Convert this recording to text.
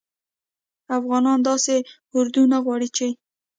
افغانان داسي اردو نه غواړي چې